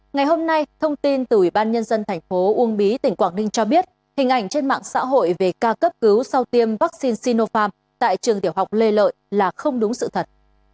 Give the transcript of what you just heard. ngày hôm nay thông tin từ ủy ban nhân dân thành phố uông bí tỉnh quảng ninh cho biết hình ảnh trên mạng xã hội về ca cấp cứu sau tiêm vaccine sinopharm tại trường tiểu học lê lợi là không đúng sự thật